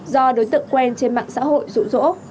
do đối tượng quen trên mạng xã hội rụ rỗ